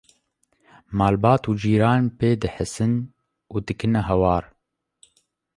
malbat û cîran pê dihesin û dikine hewar